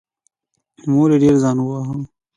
مور یې ډېر ځان وواهه.